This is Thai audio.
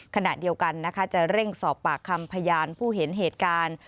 ขณะเดียวกันนะคะจะเร่งสอบปากคำพยานผู้เห็นเหตุการณ์